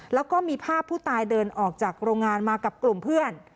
แล้วก็มีภาพผู้ตายเดินออกจากโรงงานมากับกลุ่มเพื่อน